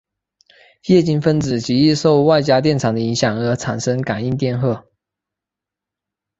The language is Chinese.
液晶分子极易受外加电场的影响而产生感应电荷。